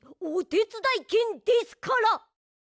おてつだいけんですから！